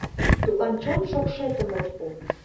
Тудлан чон шокшетым от пу.